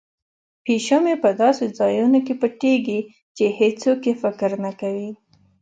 پیشو مې په داسې ځایونو کې پټیږي چې هیڅوک یې فکر نه کوي.